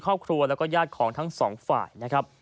ครอบครัวแล้วก็ญาติของทั้งสองฝ่ายนะครับ